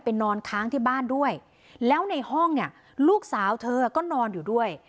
นอนค้างที่บ้านด้วยแล้วในห้องเนี่ยลูกสาวเธอก็นอนอยู่ด้วย